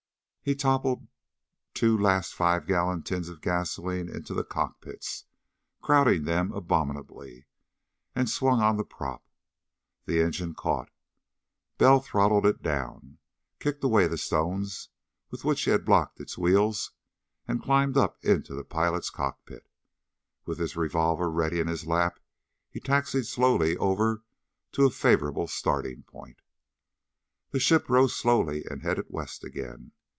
He toppled two last five gallon tins of gasoline into the cockpits crowding them abominably and swung on the prop. The engine caught. Bell throttled it down, kicked away the stones with which he had blocked its wheels, and climbed up into the pilot's cockpit. With his revolver ready in his lap he taxied slowly over to a favorable starting point. The ship rose slowly, and headed west again.